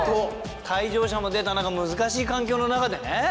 退場者も出た中難しい環境の中でね。